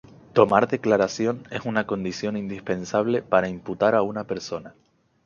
Tomar declaración es una condición indispensable para imputar a una persona.